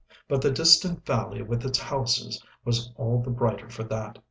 But the distant valley with its houses was all the brighter for that.